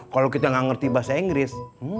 kalo kita gak ngerti bahasa inggris